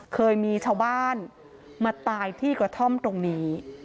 เคยมีชาวบ้านมาตายที่กระท่อมตรงนี้